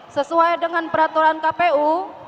sesuai dengan peraturan kpu